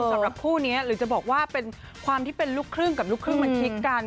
สำหรับคู่นี้หรือจะบอกว่าเป็นความที่เป็นลูกครึ่งกับลูกครึ่งมันคลิกกัน